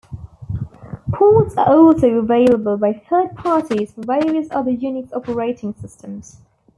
Ports are also available by third parties for various other Unix operating systems.